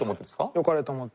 よかれと思って。